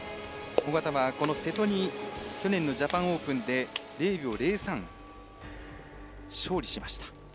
小方は瀬戸に去年のジャパンオープンで０秒０３、勝利しました。